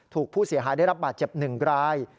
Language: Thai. ถูกผู้เสียหายได้รับบาดเจ็บ๑ราย